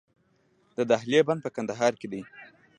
د دهلې بند په کندهار کې دی